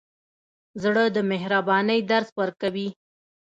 زړه د قربانۍ درس ورکوي.